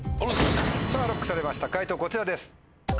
さぁＬＯＣＫされました解答こちらです。